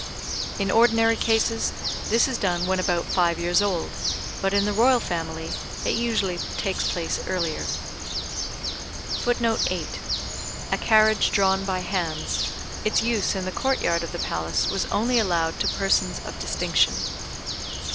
In ordinary cases, this is done when about five years old, but in the Royal Family, it usually takes place earlier.] [Footnote 8: A carriage drawn by hands. Its use in the Court yard of the Palace was only allowed to persons of distinction.